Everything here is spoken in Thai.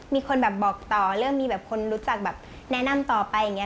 มีคนแบบบอกต่อเรื่องมีแบบคนรู้จักแบบแนะนำต่อไปอย่างนี้